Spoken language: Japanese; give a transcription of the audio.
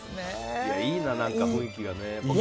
いいな、雰囲気がね。